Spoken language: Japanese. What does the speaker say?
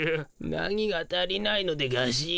何が足りないのでガシ。